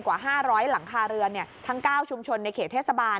กว่า๕๐๐หลังคาเรือนทั้ง๙ชุมชนในเขตเทศบาล